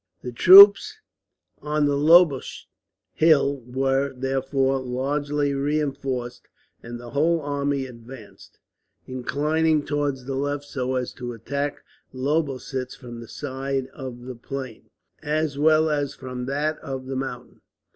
The troops on the Lobosch Hill were, therefore, largely reinforced; and the whole army advanced, inclining towards the left so as to attack Lobositz from the side of the plain, as well as from that of the mountain.